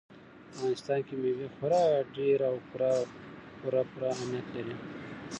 په افغانستان کې مېوې خورا ډېر او پوره پوره اهمیت لري.